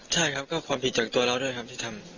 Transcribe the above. ใช่ครับก็ความผิดจากตัวเราด้วยครับที่ทำ